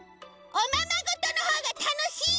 おままごとのほうがたのしい！